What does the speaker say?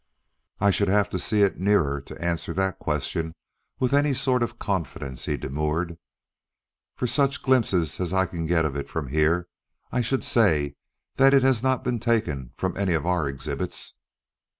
"I should have to see it nearer to answer that question with any sort of confidence," he demurred. "From such glimpses as I can get of it from here I should say that it has not been taken from any of our exhibits."